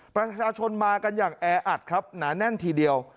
ประชาชนมากันอย่างแออัดครับหนาแน่นทีเดียว